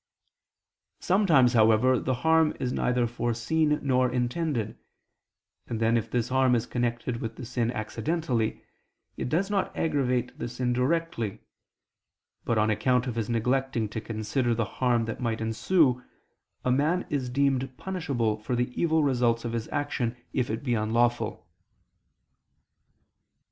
Sometimes, however, the harm is neither foreseen nor intended: and then if this harm is connected with the sin accidentally, it does not aggravate the sin directly; but, on account of his neglecting to consider the harm that might ensue, a man is deemed punishable for the evil results of his action if it be unlawful.